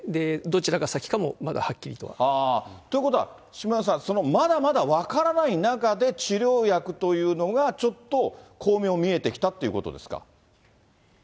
どちらが先かもまだはっきりとは。ということは、柏谷さん、まだまだよく分からない中で治療薬というのがちょっと光明見えてきたってことですか。